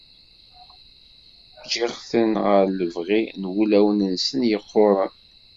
Ǧǧiɣ-ten ɣer lebɣi n wulawen-nsen yeqquren.